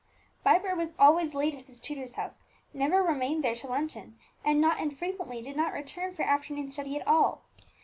Vibert was always late at his tutor's house, never remained there to luncheon, and not infrequently did not return for afternoon study at all.